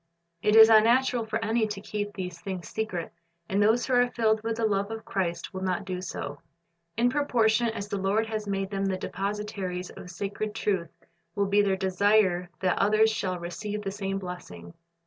It is unnatural for any to keep these things .secret, and those who are filled with the love of Christ will not do so. In proportion as the Lord has made them the depositaries of sacred truth will be their desire that others shall receive the same blessing.